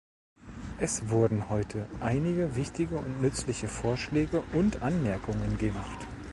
Es wurden heute einige wichtige und nützliche Vorschläge und Anmerkungen gemacht.